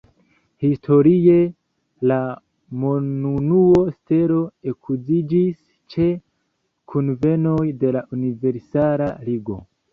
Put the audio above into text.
Historie, la monunuo stelo ekuziĝis ĉe kunvenoj de la Universala Ligo.